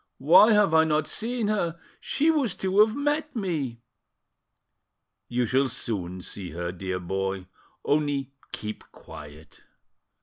"Why have I not seen her? She was to have met me." You shall soon see her, dear boy; only keep quiet."